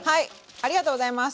ありがとうございます。